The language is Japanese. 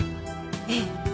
ええ。